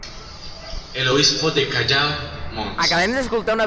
El obispo del Callao, Mons.